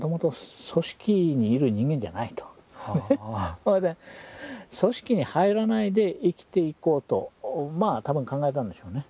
それで組織に入らないで生きていこうとまあ多分考えたんでしょうね。